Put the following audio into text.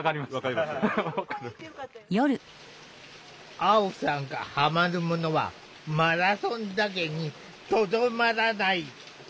アオさんがハマるものはマラソンだけにとどまらない。